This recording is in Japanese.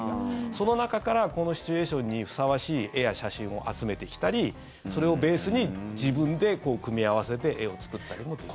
その中からこのシチュエーションにふさわしい絵や写真を集めてきたりそれをベースに自分で組み合わせて絵を作ったりもできる。